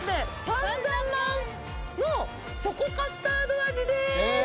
パンダまんのチョコカスタード味です